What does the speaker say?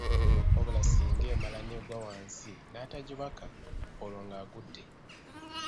Wabula singa emala n’egwa wansi n’atagibaka, olwo ng’agudde.